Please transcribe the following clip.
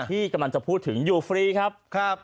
ที่กำลังจะพูดถึงอยู่ฟรีครับ